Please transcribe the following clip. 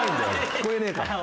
聞こえねえから。